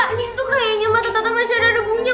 ini tuh kayaknya mata tata masih ada debunya